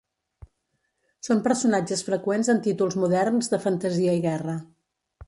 Són personatges freqüents en títols moderns de fantasia i guerra.